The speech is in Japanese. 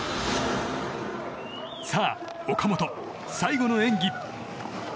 さあ岡本、最後の演技。